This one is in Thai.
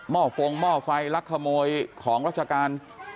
เมาะฟงเมาะไฟรักขโมยของรัชกาล